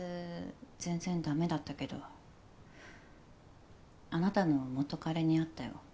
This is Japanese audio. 全然ダメだったけどあなたの元彼に会ったよ。